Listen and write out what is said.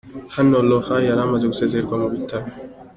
Hano Lohan yari amaze gusezererwa mu bitaro.